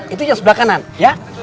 itu yang sebelah kanan ya